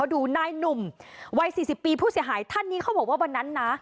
ดูนายหนุ่มวัย๔๐ปีผู้เสียหายท่านนี้เขาบอกว่าวันนั้นนะ